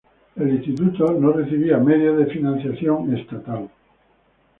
El instituto no percibía medios de financiamiento estatal.